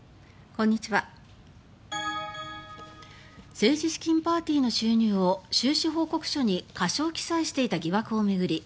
政治資金パーティーの収入を収支報告書に過少記載していた疑惑を巡り